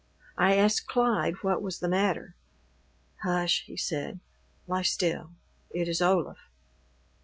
I asked Clyde what was the matter. "Hush," he said; "lie still. It is Olaf."